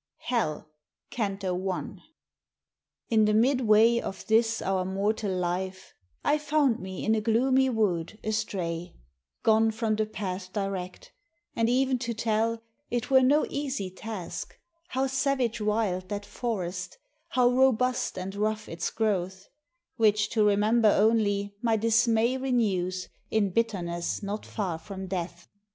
HELL CANTO I In the midway of this our mortal life, I found me in a gloomy wood, astray Gone from the path direct: and e'en to tell It were no easy task, how savage wild That forest, how robust and rough its growth, Which to remember only, my dismay Renews, in bitterness not far from death.